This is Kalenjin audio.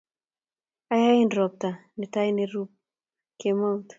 Ayanyenen ropta ne tai nerupu kemeut.